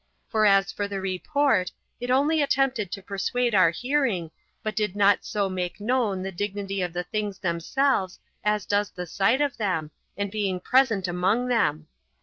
For as for the report, it only attempted to persuade our hearing, but did not so make known the dignity of the things themselves as does the sight of them, and being present among them.